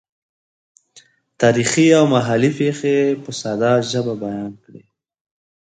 تاریخي او محلي پېښې یې په ساده ژبه بیان کړې.